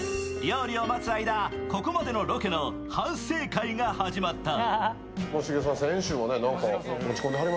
料理を待つ間、ここまでのロケの反省会が始まった。